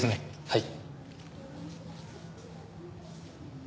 はい。